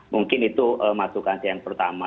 mungkin itu masukan saya yang pertama